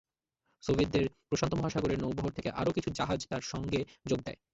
সোভিয়েতদের প্রশান্ত মহাসাগরের নৌবহর থেকে আরও কিছু জাহাজ তার সঙ্গে যোগ দেয়।